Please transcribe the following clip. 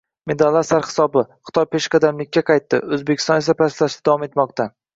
Medallar sarhisobi: Xitoy peshqadamlikka qaytdi, O‘zbekiston esa pastlashda davom etmoqda